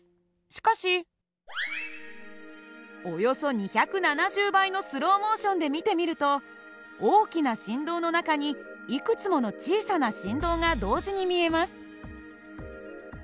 しかしおよそ２７０倍のスローモーションで見てみると大きな振動の中にいくつもの小さな振動が同時に見えます。